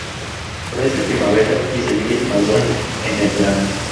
Florece en primavera y las semillas maduran en el verano.